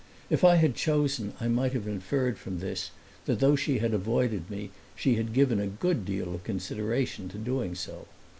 If I had chosen I might have inferred from this that though she had avoided me she had given a good deal of consideration to doing so.